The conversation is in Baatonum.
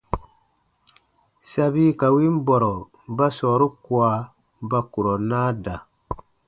Sabi ka win bɔrɔ ba sɔɔru kua ba kurɔ naa da.